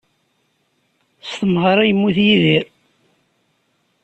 S temɣer i yemmut Yidir.